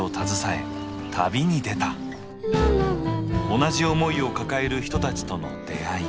同じ思いを抱える人たちとの出会い。